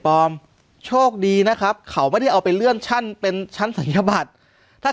โชคดีนะครับเขาไม่ได้เอาไปเลื่อนชั้นเป็นชั้นศัลยบัตรถ้า